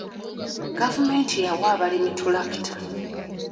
Gavumenti yawa abalimi ttulakita.